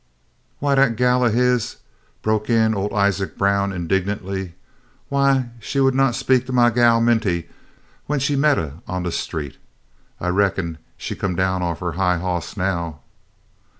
"Wy, dat gal o' his'n," broke in old Isaac Brown indignantly, "w'y, she would n' speak to my gal, Minty, when she met huh on de street. I reckon she come down off'n huh high hoss now."